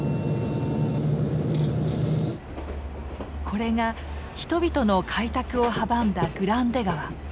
これが人々の開拓を阻んだグランデ川。